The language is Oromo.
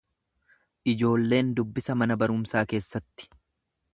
Ijoolleen dubbisa mana barumsaa keessatti.